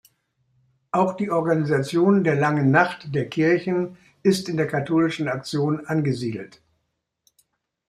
Auch die Organisation der Langen Nacht der Kirchen ist in der Katholischen Aktion angesiedelt.